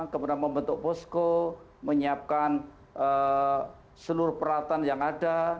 kemudian membentuk posko menyiapkan seluruh peralatan yang ada